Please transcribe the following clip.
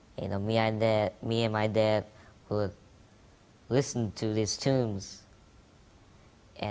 saya dan ayah saya mendengar lagu lagu ini